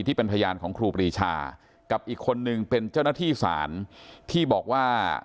ที่เป็นพยานของครูปรีชากับอีกคนนึงเป็นเจ้าหน้าที่ศาลที่บอกว่า